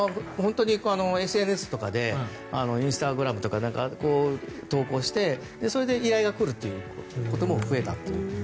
ＳＮＳとかインスタグラムとかで投稿してそれで依頼が来るということも増えたということで。